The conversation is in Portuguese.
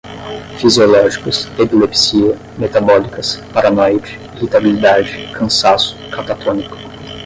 fisiológicos, epilepsia, metabólicas, paranoide, irritabilidade, cansaço, catatônico